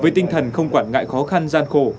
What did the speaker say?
với tinh thần không quản ngại khó khăn gian khổ